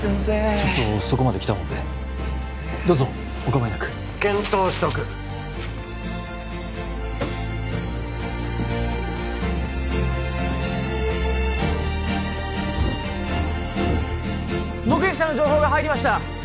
ちょっとそこまで来たもんでどうぞお構いなく検討しとく・目撃者の情報が入りました！